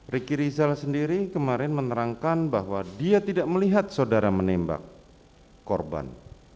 riki rizal sendiri kemarin menerangkan bahwa dia tidak melihat saudara menembak korban